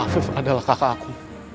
afif adalah kakak aku